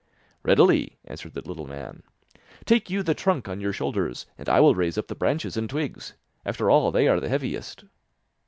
'Readily,' answered the little man; 'take you the trunk on your shoulders, and I will raise up the branches and twigs; after all, they are the heaviest.